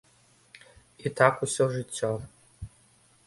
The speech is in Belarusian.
І так усё жыццё.